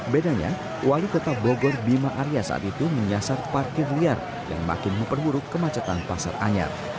bedanya wali kota bogor bima arya saat itu menyasar parkir liar yang makin memperburuk kemacetan pasar anyar